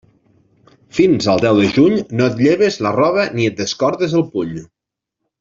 Fins al deu de juny no et lleves la roba ni et descordes el puny.